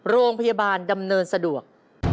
โรงพยาบาลดำเนินสะดวก